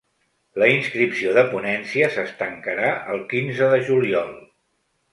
La inscripció de ponències es tancarà el quinze de juliol.